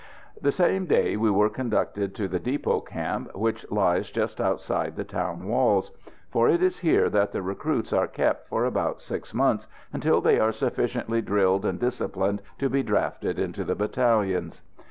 The same day we were conducted to the Depot Camp, which lies just outside the town walls; for it is here that the recruits are kept for about six months until they are sufficiently drilled and disciplined to be drafted into the battalions.